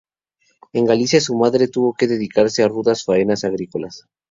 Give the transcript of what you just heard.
En Galicia la madre tuvo que dedicarse a rudas faenas agrícolas.